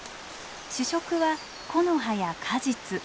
主食は木の葉や果実。